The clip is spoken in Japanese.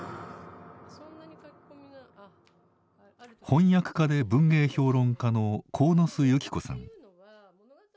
翻訳家で文芸評論家の鴻巣友季子さん。